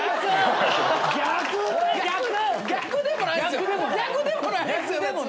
逆でもないですよ別に。